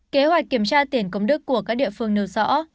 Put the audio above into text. kế hoạch kiểm tra tiền công đức của các địa phương nêu rõ